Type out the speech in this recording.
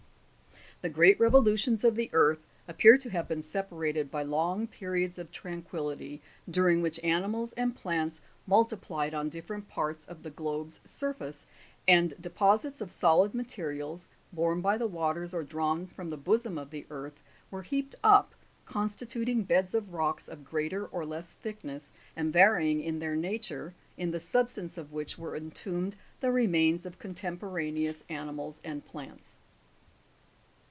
6. The great revolutions of the earth appear to have been sepa rated by long periods of tranquillity, during which animals and plants multiplied on different parts of the globe's surface, and de posits of solid materials, borne by the waters or drawn from the bosom of the earth, were heaped up, constituting beds of rocks of greater or less thickness, and varying in their nature, in the sub stance of which were entombed the remains of contemporaneous animals and plants.